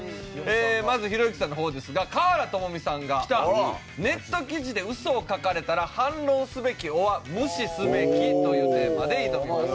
まずひろゆきさんの方ですが華原朋美さんが「ネット記事で嘘を書かれたら反論すべきｏｒ無視すべき」というテーマで挑みます。